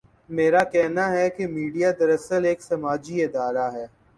میرا کہنا ہے کہ میڈیا دراصل ایک سماجی ادارہ ہے۔